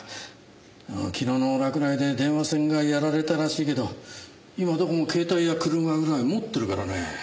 昨日の落雷で電話線がやられたらしいけど今はどこも携帯や車ぐらい持ってるからね。